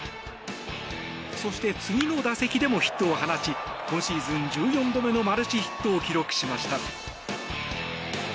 そして、次の打席でもヒットを放ち今シーズン１４度目のマルチヒットを記録しました。